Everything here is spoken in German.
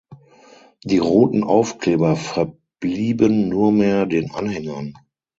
Die roten Aufkleber verblieben nur mehr den Anhängern.